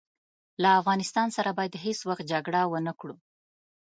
له افغانستان سره باید هیڅ وخت جګړه ونه کړو.